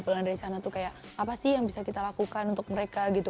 kalau dari sana tuh kayak apa sih yang bisa kita lakukan untuk mereka gitu